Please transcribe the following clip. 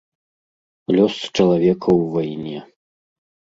Лёс чалавека ў вайне.